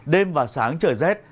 đêm và sáng trời rét